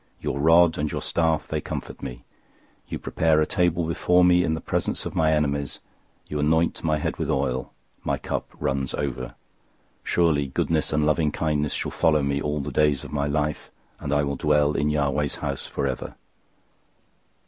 Your rod and your staff, they comfort me. 023:005 You prepare a table before me in the presence of my enemies. You anoint my head with oil. My cup runs over. 023:006 Surely goodness and loving kindness shall follow me all the days of my life, and I will dwell in Yahweh's house forever.